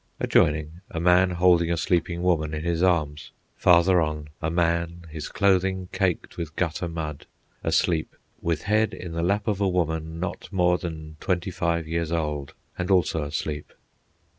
Adjoining, a man holding a sleeping woman in his arms. Farther on, a man, his clothing caked with gutter mud, asleep, with head in the lap of a woman, not more than twenty five years old, and also asleep.